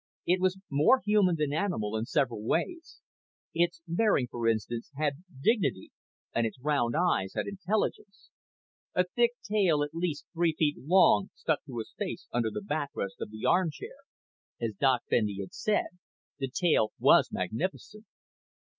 It was more human than animal in several ways. Its bearing, for instance, had dignity, and its round eyes had intelligence. A thick tail at least three feet long stuck through a space under the backrest of the armchair. As Doc Bendy had said, the tail was magnificent.